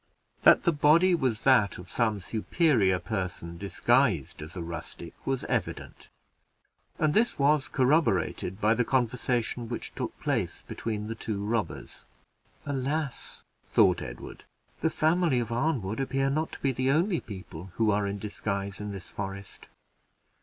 That the body was that of some superior person disguised as a rustic, was evident, and this was corroborated by the conversation which took place between the two robbers. "Alas!" thought Edward, "the family of Arnwood appear not to be the only people who are in disguise in this forest.